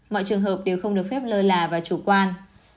mọi trường hợp đều không được phép lơ là và chủ quan